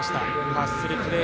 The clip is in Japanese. ハッスルプレー